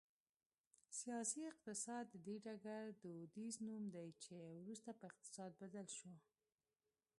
سیاسي اقتصاد د دې ډګر دودیز نوم دی چې وروسته په اقتصاد بدل شو